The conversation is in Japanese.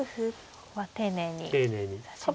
ここは丁寧に指しましたね。